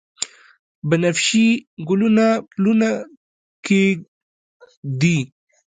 بنفشیې ګلونه پلونه کښیږدي